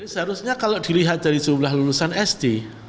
seharusnya kalau dilihat dari jumlah lulusan sd